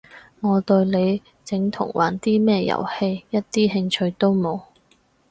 我對你整同玩啲咩遊戲一啲興趣都冇